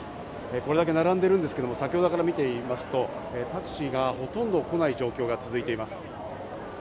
これだけ並んでいるんですけど、先ほどから見ていますと、タクシーがほとんど来ない状況が続いています。